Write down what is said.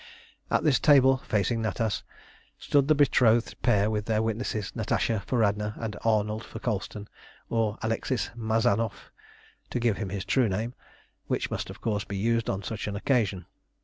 At this table, facing Natas, stood the betrothed pair with their witnesses, Natasha for Radna, and Arnold for Colston, or Alexis Mazanoff, to give him his true name, which must, of course, be used on such an occasion.